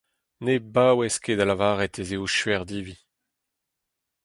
Ne baouez ket da lavaret ez eo skuizh-divi.